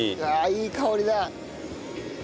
いい香りだ。